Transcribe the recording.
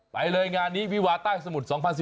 ไปเลยงานนี้วิวาใต้สมุทร๒๐๑๙